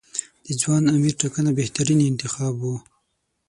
د ځوان امیر ټاکنه بهترین انتخاب و.